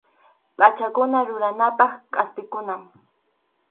Pʼachakuna ruranapaq kʼaspikunam.